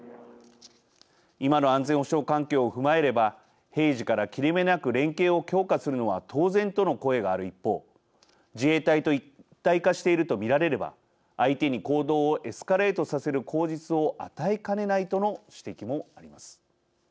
今の安全保障環境を踏まえれば平時から切れ目なく連携を強化するのは当然との声がある一方自衛隊と一体化していると見られれば、相手に行動をエスカレートさせる口実を与えかねないとの指摘もあります。